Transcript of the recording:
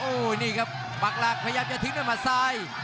โอ้โหนี่ครับปักหลักพยายามจะทิ้งด้วยหมัดซ้าย